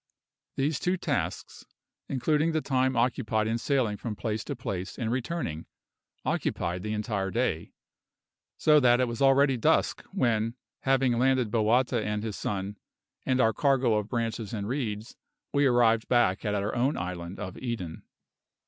These two tasks, including the time occupied in sailing from place to place and returning, occupied the entire day, so that it was already dusk when, having landed Bowata and his son, and our cargo of branches and reeds, we arrived back at our own island of Eden.